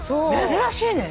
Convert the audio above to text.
珍しいね。